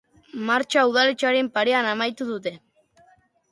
Martxa udaletxearen parean amaitu dute.